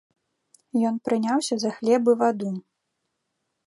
Ён прыняўся за хлеб і ваду.